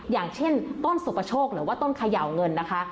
อย่างเช่นต้นสุปโชคหรือว่าต้นเขย่าเงินนะคะ